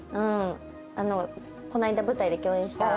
この間舞台で共演した。